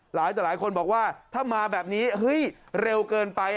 หลายคนบอกว่าถ้ามาแบบนี้เฮ้ยเร็วเกินไป